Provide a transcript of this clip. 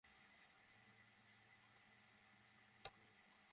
নিচে চাকা লাগানো হাতের ছোট্ট স্যুটকেসটা একটা বাধা পেরোতে একটু তুলে ধরতে হলো।